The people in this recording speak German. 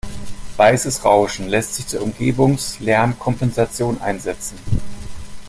Weißes Rauschen lässt sich zur Umgebungslärmkompensation einsetzen.